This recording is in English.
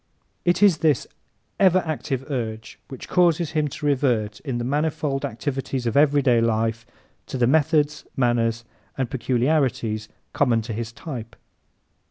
It is this ever active urge which causes him to revert, in the manifold activities of everyday life, to the methods, manners and peculiarities common to his type.